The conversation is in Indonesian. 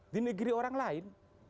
di negeri orang lain